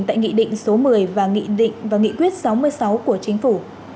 tại nghị định số một mươi và nghị định và nghị quyết sáu mươi sáu của chính phủ